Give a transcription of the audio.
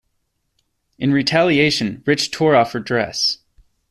In retaliation, Rich tore off her dress.